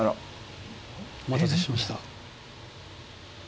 お待たせしました。